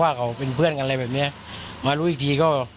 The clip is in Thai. ว่าเขาเป็นเพื่อนกันอะไรแบบเนี้ยมารู้อีกทีก็